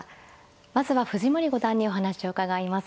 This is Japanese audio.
まずは藤森五段にお話を伺います。